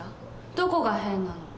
どこが変なの？